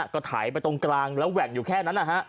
ก็ถ่ายไปตรงกลางแล้วแหวกอยู่แค่นั้น